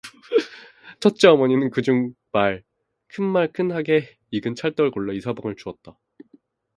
첫째 어머니는 그중 말 큰말 큰하게 익은 찰떡을 골라 이서방을 주었다.